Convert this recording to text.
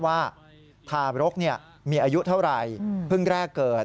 ทารกมีอายุเท่าไหร่เพิ่งแรกเกิด